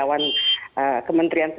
daulat saat ini